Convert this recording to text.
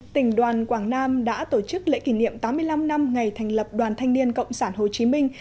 tỉnh đoàn quảng nam đã tổ chức lễ kỷ niệm tám mươi năm năm ngày thành lập đoàn thanh niên cộng sản hồ chí minh